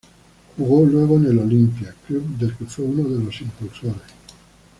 Jugó luego en el Olimpia, club del que fue uno de los impulsores.